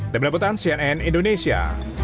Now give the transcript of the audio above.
demi deputan cnn indonesia